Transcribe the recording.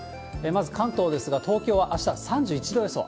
まず関東ですが、東京はあした３１度予想。